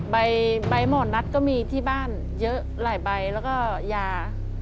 ใบหมอนัทก็มีที่บ้านเยอะหลายใบแล้วก็ยา